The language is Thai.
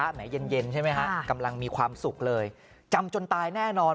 ไหนเย็นเย็นใช่ไหมฮะกำลังมีความสุขเลยจำจนตายแน่นอน